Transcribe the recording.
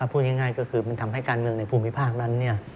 พูดง่ายก็คือมันทำให้การเมืองในภูมิภาคนั้น